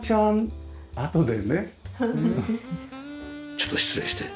ちょっと失礼して。